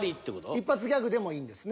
一発ギャグでもいいんですね？